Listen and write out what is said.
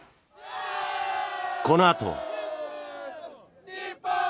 このあとは。